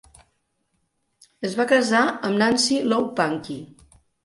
Es va casar amb Nancy Lou Pankey.